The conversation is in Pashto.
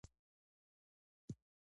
که ګاز وي نو پخلی نه پاتې کیږي.